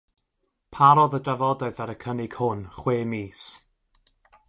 Parodd y drafodaeth ar y cynnig hwn chwe mis.